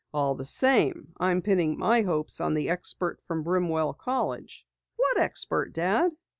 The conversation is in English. All the same, I am pinning my hopes on the expert from Brimwell College." "What expert, Dad?"